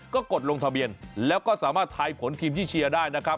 ก็กดลงทะเบียนแล้วก็สามารถทายผลทีมที่เชียร์ได้นะครับ